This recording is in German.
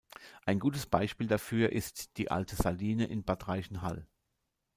Ein gutes Beispiel dafür ist die Alte Saline in Bad Reichenhall.